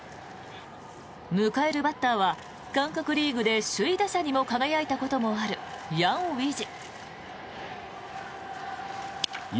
迎えるバッターは韓国リーグで首位打者にも輝いたこともあるヤン・ウィジ。